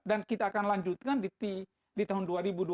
dan kita akan lanjutkan di tahun dua ribu dua puluh tiga